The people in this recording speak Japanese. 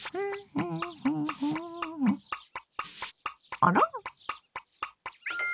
あら？